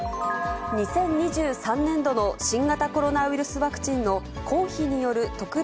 ２０２３年度の新型コロナウイルスワクチンの公費による特例